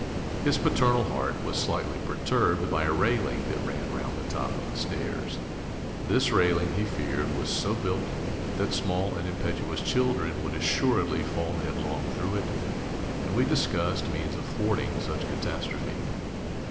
His paternal heart was slightly perturbed by a railing that ran round the top of the stairs. This railing, he feared, was so built that small and impetuous children would assuredly fall headlong through it, and we discussed means of thwarting such catastrophe.